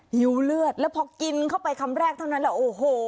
หิวเลือดแล้วพอกินเข้าไปคำแรกเท่านั้นแหละโอ้โห